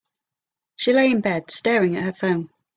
She lay in bed, staring at her phone.